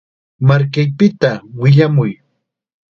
Markaypita willamuy.